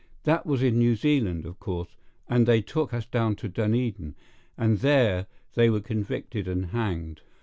That was in New Zealand, of course, and they took us down to Dunedin, and there they were convicted and hanged.